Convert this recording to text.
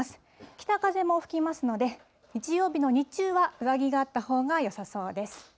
北風も吹きますので、日曜日の日中は、上着があったほうがよさそうです。